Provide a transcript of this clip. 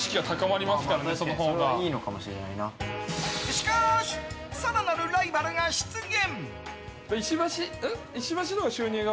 しかし更なるライバルが出現！